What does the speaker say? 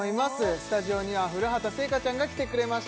スタジオには古畑星夏ちゃんが来てくれました